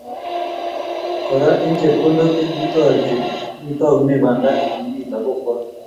Kora eng chepkondok chekikitoreti kokitounee banda nekimi lagokwak